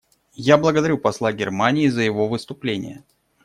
Я благодарю посла Германии за его выступление.